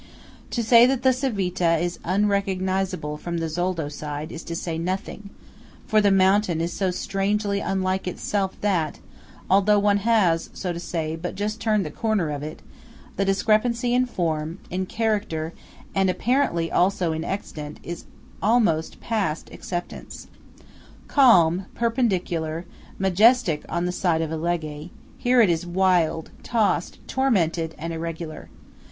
To say that the Civita is unrecognisable from the Zoldo side is to say nothing; for the mountain is so strangely unlike itself that, although one has, so to say, but just turned the corner of it, the discrepancy in form, in character, and apparently also in extent, is almost past acceptance. Calm, perpendicular, majestic on the side of Alleghe, here it is wild, tossed, tormented, and irregular.